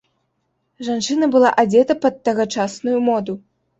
Жанчына была адзета пад тагачасную моду.